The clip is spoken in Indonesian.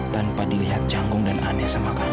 tanpa dilihat canggung dan aneh sama kamu